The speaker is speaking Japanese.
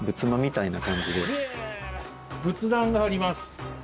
仏壇があります。